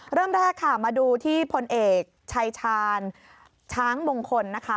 เริ่มแรกค่ะมาดูที่พลเอกชายชาญช้างมงคลนะคะ